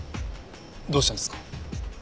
どうしたんですか？